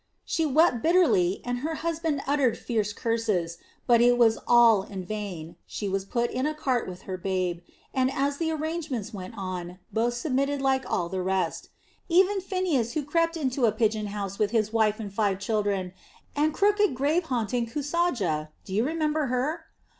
She wept bitterly and her husband uttered fierce curses, but it was all in vain. She was put in a cart with her babe, and as the arrangements went on, both submitted like all the rest even Phineas who crept into a pigeon house with his wife and five children, and crooked grave haunting Kusaja. Do you remember her?